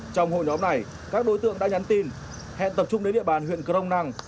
trong hội nhóm này các đối tượng đã nhắn tin hẹn tập trung đến địa bàn huyện crong năng